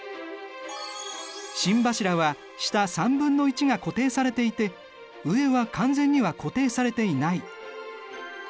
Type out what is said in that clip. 心柱は下３分の１が固定されていて上は完全には固定されていない。